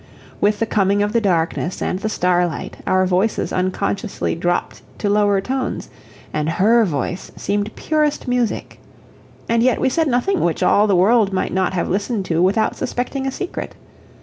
With the coming of the darkness and the starlight, our voices unconsciously dropped to lower tones, and HER voice seemed purest music. And yet we said nothing which all the world might not have listened to without suspecting a secret.